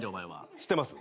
知ってます？